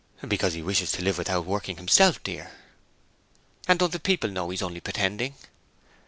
'Because he wishes to live without working himself, dear.' 'And don't the people know he's only pretending?'